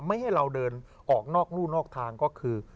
ไม่ให้เราเดินออกนอกรู่นอกทางก็คือ